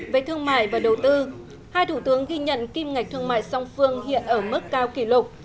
về thương mại và đầu tư hai thủ tướng ghi nhận kim ngạch thương mại song phương hiện ở mức cao kỷ lục